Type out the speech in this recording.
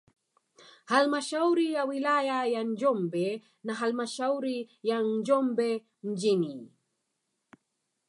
Halmashauri ya wilaya ya Njombe na halmashauri ya Njombe mjini